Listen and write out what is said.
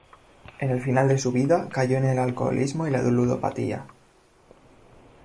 En el final de su vida, cayó en el alcoholismo y la ludopatía.